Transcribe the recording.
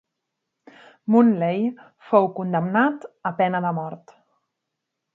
Munley fou condemnat a pena de mort.